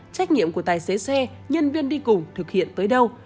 trách nhiệm của tài xế xe nhân viên đi cùng thực hiện tới đâu